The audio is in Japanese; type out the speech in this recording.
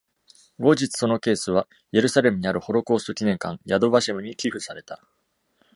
後日、そのケースは、イエルサレムにあるホロコースト記念館ヤド・ヴァシェムに寄付された。